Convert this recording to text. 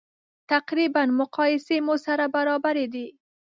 تقریبا مقایسې مو سره برابرې دي.